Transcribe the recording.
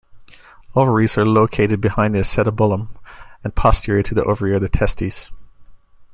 Ovaries are located behind the acetabulum and posterior to the ovary are the testes.